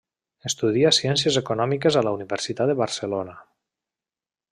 Estudia ciències Econòmiques a la Universitat de Barcelona.